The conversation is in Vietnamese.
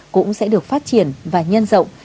cũng sẽ được phát triển và nhân rộng